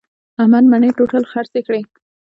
احمد مڼې ټوټل خرڅې کړلې.